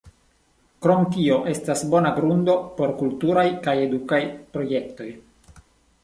Krom tio estis bona grundo por kulturaj kaj edukaj projektoj.